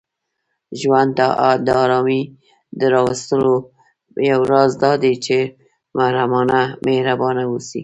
ژوند ته د آرامۍ د راوستلو یو راز دا دی، چې محربانه اوسئ